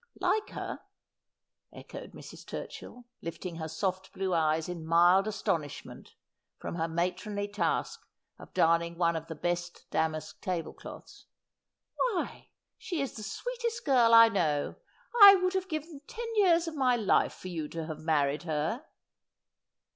'Like her!' echoed Mrs. Turchill, lifting her soft blue eyes in mild astonishment from her matronly task of darning one of the best damask table cloths. ' Why she is the sweetest girl I know. I would have given ten years of my life for you to have married her.'